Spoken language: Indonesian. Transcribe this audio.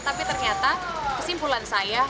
tapi ternyata kesimpulan saya